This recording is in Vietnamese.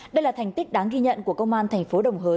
đây là thành tích đáng ghi nhận của công an thành phố đồng hới